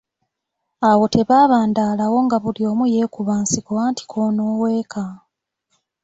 Awo tebaabandaalawo nga buli omu yeekuba nsiko anti k’onooweeka.